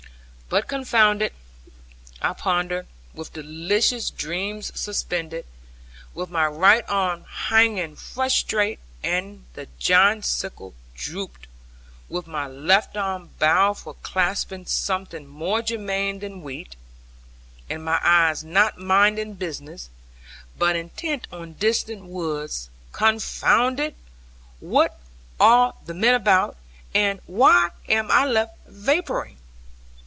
But confound it, while I ponder, with delicious dreams suspended, with my right arm hanging frustrate and the giant sickle drooped, with my left arm bowed for clasping something more germane than wheat, and my eyes not minding business, but intent on distant woods confound it, what are the men about, and why am I left vapouring?